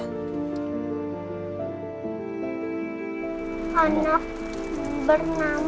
kali ini gue akan serapi mungkin demi nino